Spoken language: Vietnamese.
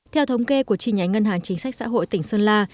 theo thống kê của chi nhánh ngân hàng chính sách xã hội tỉnh sơn la